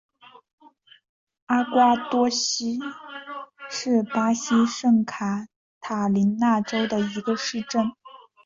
阿瓜多西是巴西圣卡塔琳娜州的一个市镇。